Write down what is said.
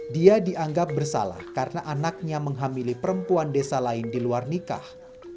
dia dianggap bersalah karena anaknya menghamili perempuan desa lain di luar nikah